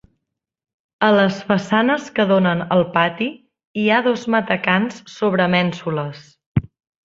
A les façanes que donen al pati hi ha dos matacans sobre mènsules.